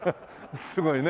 すごいね。